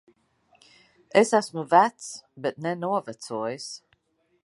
Es esmu vecs. Bet ne novecojis.